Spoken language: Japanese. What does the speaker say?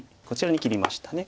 こちらに切りました。